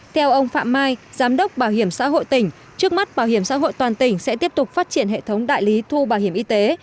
theo ông phạm mai giám đốc bảo hiểm xã hội tỉnh trước mắt bảo hiểm xã hội toàn tỉnh sẽ tiếp tục phát triển hệ thống đại lý thu bảo hiểm y tế